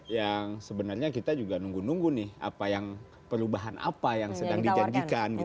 yang sebenarnya kita juga nunggu nunggu nih apa yang perubahan apa yang sedang dijanjikan